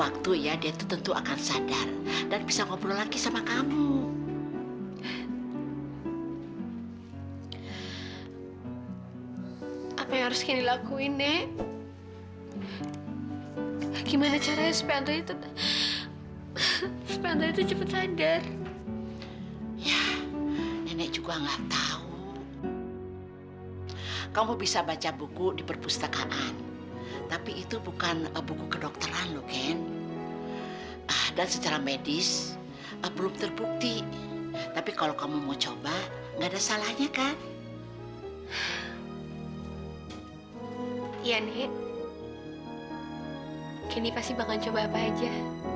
kini pasti bakalan coba apa aja